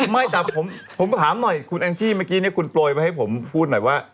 ไม่แต่ผมถามหน่อยคุณแองจี้เมื่อกี้เนี่ยคุณโปรยไปให้ผมพูดหน่อยว่า